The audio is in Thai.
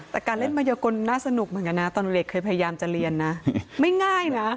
แต่การเล่นมายกลน่าสนุกเหมือนกันนะตอนเด็กเคยพยายามจะเรียนนะไม่ง่ายนะ